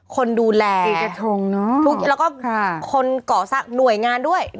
คนดูแลสี่กระทงเนอะแล้วก็ค่ะคนก่อสร้างหน่วยงานด้วย